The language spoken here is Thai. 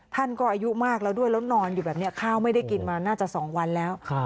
ท่านก็อายุมากแล้วด้วยแล้วนอนอยู่แบบนี้ข้าวไม่ได้กินมาน่าจะ๒วันแล้ว